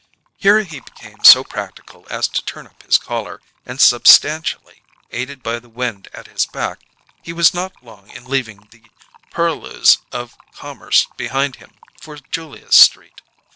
Here he became so practical as to turn up his collar; and, substantially aided by the wind at his back, he was not long in leaving the purlieus of commerce behind him for Julia's Street.